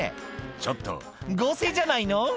ちょっと合成じゃないの？